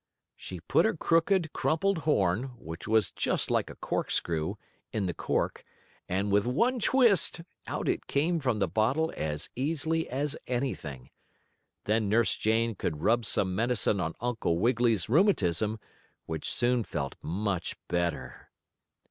She put her crooked, crumpled horn, which was just like a corkscrew, in the cork, and, with one twist, out it came from the bottle as easily as anything. Then Nurse Jane could rub some medicine on Uncle Wiggily's rheumatism, which soon felt much better.